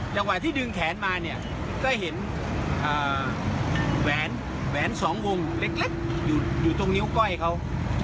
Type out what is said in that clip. จังหวะที่ดึงแขนมาเนี่ยก็เห็นแหวนสองวงเล็กอยู่ตรงนิ้วก้อยเขา